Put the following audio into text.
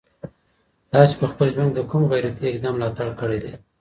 تاسي په خپل ژوند کي د کوم غیرتي اقدام ملاتړ کړی دی؟